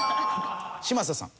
嶋佐さん。